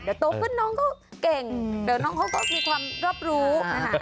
เดี๋ยวตัวเพื่อนน้องเขาเก่งเดี๋ยวน้องเขาก็มีความรอบรู้